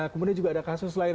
kemudian juga ada kasus lain